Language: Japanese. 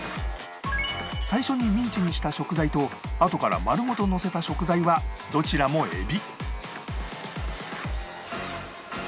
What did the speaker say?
最初にミンチにした食材とあとから丸ごとのせた食材はどちらもエビ